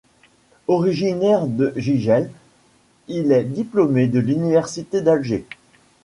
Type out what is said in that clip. Originaire de Jijel, il est diplômé de l'université d'Alger.